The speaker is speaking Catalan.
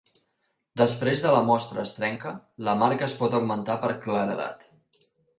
Després de la mostra es trenca, la marca es pot augmentar per claredat.